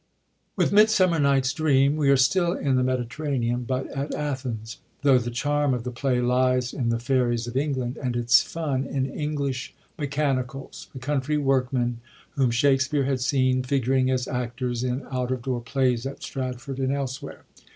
With Midsummbr Night's Dbbam we are still in the Mediterranean, but at Athens, though the charm of the play lies in the fairies of England, and its fun in English mechanicals, the country workmen whom Shakspere had seen figuring as actors in out of door plays at Stratford and elsewhere.